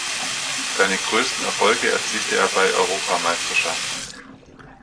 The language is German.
Seine größten Erfolge erzielte er bei Europameisterschaften.